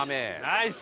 ナイス！